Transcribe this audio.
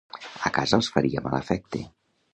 A casa els faria mal efecte.